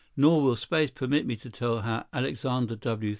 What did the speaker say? Nor will space permit me to tell how Alexander W.